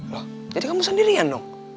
loh jadi kamu sendirian dong